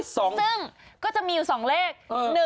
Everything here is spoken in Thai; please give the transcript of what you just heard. ซึ่งก็จะมีอยู่๒เลข